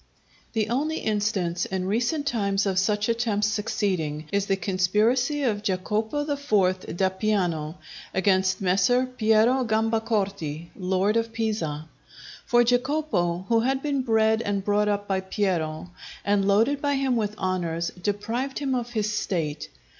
The only instance in recent times of such attempts succeeding, is the conspiracy of Jacopo IV. d'Appiano against Messer Piero Gambacorti, lord of Pisa. For Jacopo, who had been bred and brought up by Piero, and loaded by him with honours, deprived him of his State.